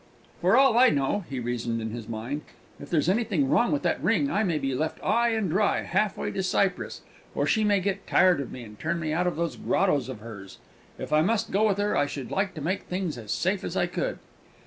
"For all I know," he reasoned in his own mind, "if there's anything wrong with that ring, I may be left 'igh and dry, halfway to Cyprus; or she may get tired of me, and turn me out of those grottoes of hers! If I must go with her, I should like to make things as safe as I could."